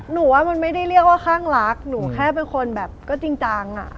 หนูว่ามันไม่ได้เรียกว่าข้างรักหนูแค่เป็นคนแบบก็จริงจังอ่ะ